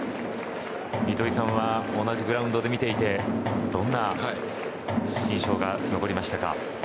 糸井さんは同じグラウンドで見ていてどんな印象が残りましたか？